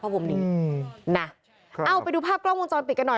เพราะผมหนีอืมนะครับเอ้าไปดูภาพกล้องวงจรปิดกันหน่อย